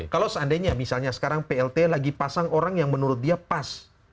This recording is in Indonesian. kalau seandainya misalnya sekarang plt lagi pasang orang yang menurut dia pas